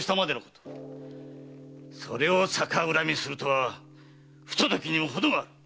それを逆恨みするとは不届きにもほどがある！